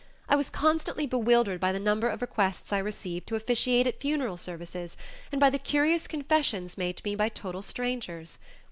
I was constantly bewildered by the number of requests I received to officiate at funeral services and by the curious confessions made to me by total strangers.